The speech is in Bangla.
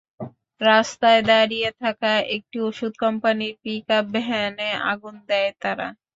রাস্তায় দাঁড়িয়ে থাকা একটি ওষুধ কোম্পানির পিকআপ ভ্যানে আগুন দেয় তারা।